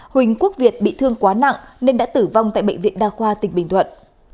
huỳnh quốc việt bị thương quá nặng nên đã tử vong tại bệnh viện đa khoa tỉnh bình thuận